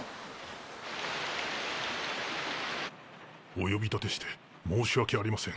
お呼び立てして申し訳ありません。